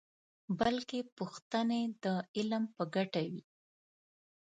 بلکې پوښتنې د علم په ګټه وي.